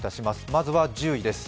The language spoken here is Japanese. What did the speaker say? まずは１０位です。